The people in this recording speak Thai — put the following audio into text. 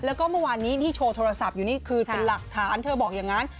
แล้วก็เมื่อวานนี้ที่โชว์โทรศัพท์อยู่นี่คือเป็นหลักฐานเธอบอกอย่างนั้น